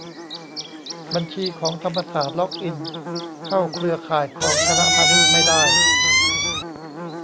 บัญชีของธรรมศาสตร์ล็อกอินเข้าเครือข่ายของคณะพาณิชย์ไม่ได้